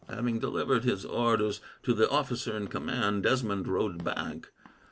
Having delivered his orders to the officer in command, Desmond rode back.